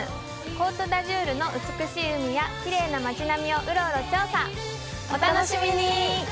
コート・ダジュールの美しい海やきれいな街並みをウロウロ調査お楽しみに！